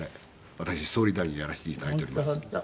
私総理大臣やらせて頂いております。本当本当。